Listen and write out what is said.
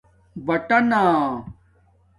بٹَنݳ